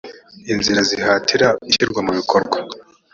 inzira zihatira ishyirwa mu bikorwa